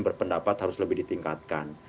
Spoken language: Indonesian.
perpendapat harus lebih ditingkatkan